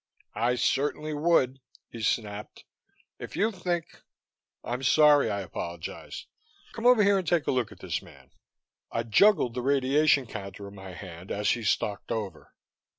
"I certainly would," he snapped. "If you think " "I'm sorry," I apologized. "Come over here and take a look at this man." I juggled the radiation counter in my hand as he stalked over.